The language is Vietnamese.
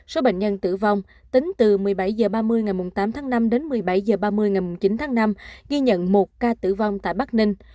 số bệnh nhân tử vong tính từ một mươi bảy h ba mươi ngày tám tháng năm đến một mươi bảy h ba mươi ngày chín tháng năm ghi nhận một ca tử vong tại bắc ninh